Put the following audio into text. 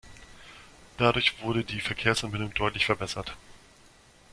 Dadurch wurde die Verkehrsanbindung deutlich verbessert.